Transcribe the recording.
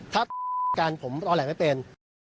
ถ้ากันผมตอนแหล่งไม่เป็น